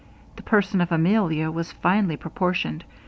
The person of Emilia was finely proportioned.